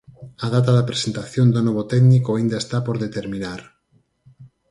A data da presentación do novo técnico aínda está por determinar.